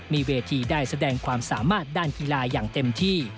มีเวทีได้แสดงความสามารถด้านกีฬาอย่างเต็มที่